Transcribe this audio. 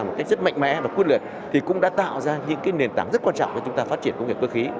một cách rất mạnh mẽ và quyết liệt thì cũng đã tạo ra những nền tảng rất quan trọng cho chúng ta phát triển công nghiệp cơ khí